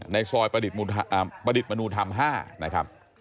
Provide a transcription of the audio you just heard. ในซอยประดิษฐ์มนุธรรม๕นะครับ